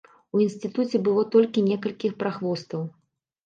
У інстытуце было толькі некалькі прахвостаў.